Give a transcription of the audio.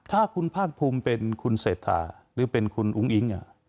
ถ้าคุณภาคภูมิเป็นคุณเศรษฐาหรือเป็นคุณอุ้งอิ๊ง